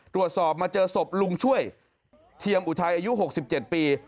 ตรวจสอบมาเจอศพลุงช่วยเทียมอุทัยอายุ๖๗ปี